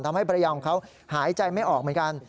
ทำให้ภรรยาของเขาหายใจไม่ออกเหมือนกัน